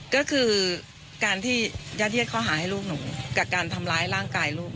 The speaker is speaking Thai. ก็คือการที่ญาติเย็ดข้อหาให้ลูกหนูกับการทำร้ายร่างกายลูก